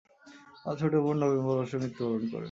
তার ছোট বোন নভেম্বর মাসে মৃত্যুবরণ করে।